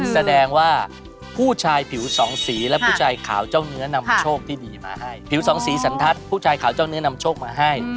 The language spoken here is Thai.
แสดงว่าผู้ชายผิวสองสีและผู้ชายขาวเจ้าเนื้อนำโชคที่ดีมาให้